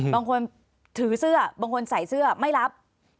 บางคนถือเสื้อบางคนใส่เสื้อไม่รับ